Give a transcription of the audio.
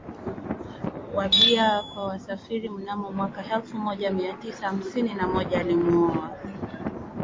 wa bia kwa wasafiri Mnamo mwaka elfu moja mia tisa hamsini na moja alimuoa